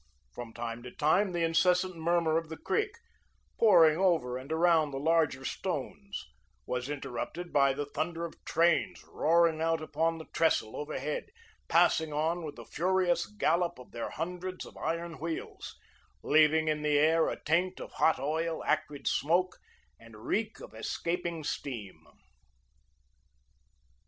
From time to time, the incessant murmur of the creek, pouring over and around the larger stones, was interrupted by the thunder of trains roaring out upon the trestle overhead, passing on with the furious gallop of their hundreds of iron wheels, leaving in the air a taint of hot oil, acrid smoke, and reek of escaping steam.